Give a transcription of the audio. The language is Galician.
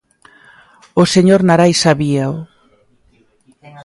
O señor Narai sabíao.